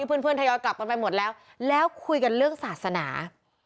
เพื่อนทยอยกลับกันไปหมดแล้วแล้วคุยกันเรื่องศาสนา